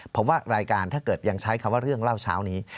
ผมว่ารายการถ้าเกิดยังใช้คำว่าเรื่องเล่าเช้านี้